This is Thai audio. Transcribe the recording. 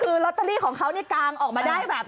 คือลอตเตอรี่ของเขานี่กางออกมาได้แบบ